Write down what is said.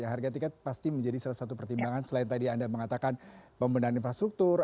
harga tiket pasti menjadi salah satu pertimbangan selain tadi anda mengatakan pembenahan infrastruktur